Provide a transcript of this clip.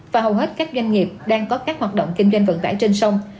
và hầu hết các doanh nghiệp đang có các hoạt động kinh doanh vận tải trên sông